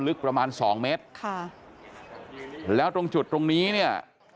ลึกประมาณ๒เมตรค่ะแล้วตรงจุดตรงนี้